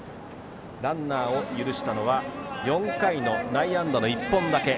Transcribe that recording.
ランナーを許したのは４回の内野安打の１本だけ。